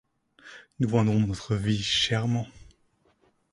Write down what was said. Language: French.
Nous vendrons notre vie chèrement.